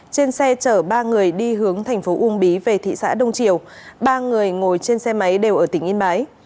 trên xe chở ba người đi hướng thành phố uông bí về thị xã đông triều ba người ngồi trên xe máy đều ở tỉnh yên bái